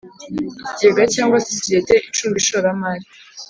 Ikigega cyangwa sosiyete icunga ishoramari